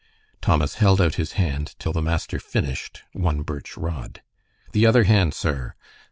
Thomas held out his hand till the master finished one birch rod. "The other hand, sir!"